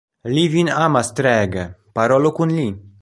Li vin amas treege, parolu kun li.